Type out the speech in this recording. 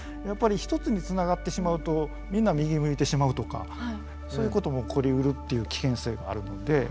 やっぱり一つに繋がってしまうとみんな右向いてしまうとかそういうことも起こりうるっていう危険性があるので。